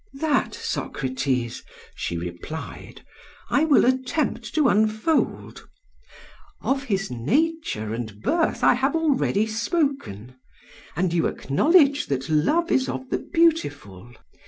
"'That, Socrates,' she replied, 'I will attempt to unfold: of his nature and birth I have already spoken; and you acknowledge that Love is of the beautiful.